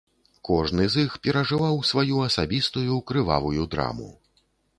Кожны з іх перажываў сваю асабістую крывавую драму.